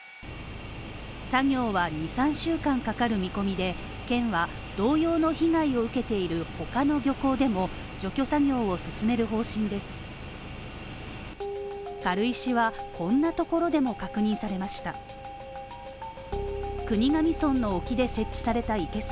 作業は二、三週間かかる見込みで、県は同様の被害を受けている他の漁港でも除去作業を進める方針です。